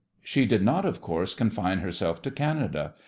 She did not, of course, confine herself to Canada.